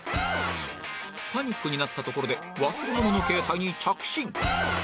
パニックになったところで忘れ物の携帯に着信